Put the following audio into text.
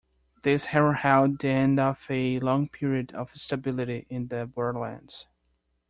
This heralded the end of a long period of stability in the borderlands.